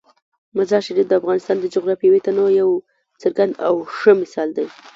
مزارشریف د افغانستان د جغرافیوي تنوع یو څرګند او ښه مثال دی.